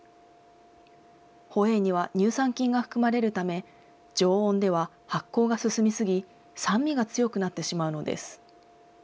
ホエーには乳酸菌が含まれるため、常温では発酵が進み過ぎ、酸味が強くなってしまうのです。